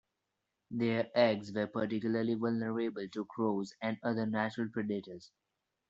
Their eggs were particularly vulnerable to crows and other natural predators.